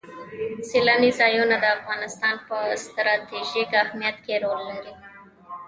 سیلانی ځایونه د افغانستان په ستراتیژیک اهمیت کې رول لري.